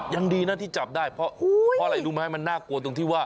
ยังดีนะที่จับได้เพราะอะไรรู้ไหมมันน่ากลัวตรงที่ว่า